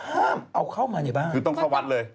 ห้ามเอาเข้ามาในบ้านคือต้องเข้าวัดเลย